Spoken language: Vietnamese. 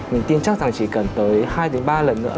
mình tin chắc rằng chỉ cần tới hai ba lần nữa